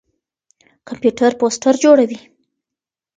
کمپيوټر پوسټر جوړوي.